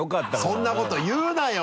そんなこと言うなよ！